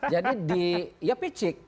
jadi di ya picik